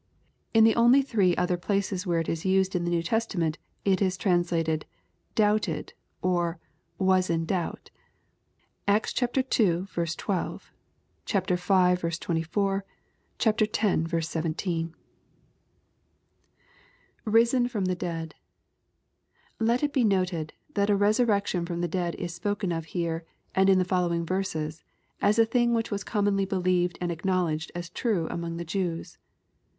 In the only three other places where it is used in the New Testament, it is translated, "doubted," or, "was in doubt." (Acts ii. 12; v. 24; x. 17.) [Risen from the dead,] Let it be noted, that a resurrection from the dead is spoken of here, and in the following verses, as a thing which was commonly believed and acknowledged as true among the Jews.